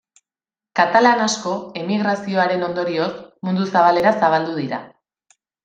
Katalan asko, emigrazioaren ondorioz, mundu zabalera zabaldu dira.